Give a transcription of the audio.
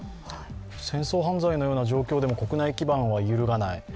戦争犯罪のような状況でも国内基盤は揺るがない。